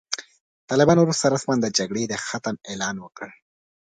طالبانو وروسته رسماً د جګړې د ختم اعلان وکړ.